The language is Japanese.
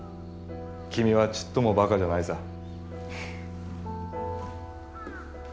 君はちっともバカじゃないさ。